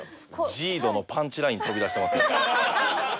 ＪＩＤＯのパンチライン飛び出してますね。